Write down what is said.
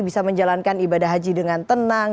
bisa menjalankan ibadah haji dengan tenang